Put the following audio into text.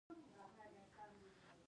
تنوع د روغتیا لپاره ده.